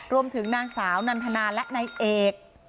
รวมถึงนางสาวนันทนาและนายเอก